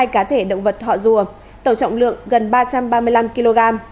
bốn mươi hai cá thể động vật họ rùa tổng trọng lượng gần ba trăm ba mươi năm kg